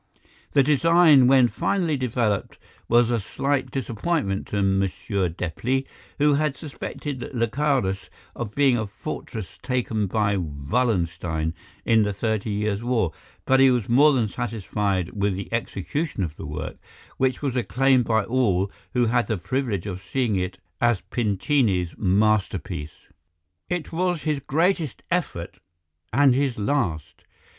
The design, when finally developed, was a slight disappointment to Monsieur Deplis, who had suspected Icarus of being a fortress taken by Wallenstein in the Thirty Years' War, but he was more than satisfied with the execution of the work, which was acclaimed by all who had the privilege of seeing it as Pincini's masterpiece. "It was his greatest effort, and his last.